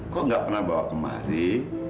kok nggak pernah bawa kemari